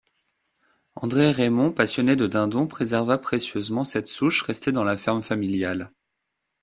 André Raymond, passionné de dindons, préserva précieusement cette souche restée dans la ferme familiale.